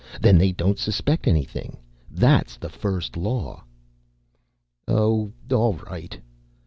Then they don't suspect anything. That's the first law " "Oh, all right."